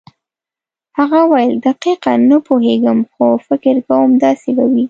هغه وویل دقیقاً نه پوهېږم خو فکر کوم داسې به وي.